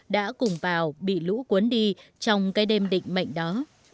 đã cùng vào bị lũ cuốn đi trong cái đêm định mệnh đó